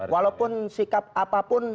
walaupun sikap apapun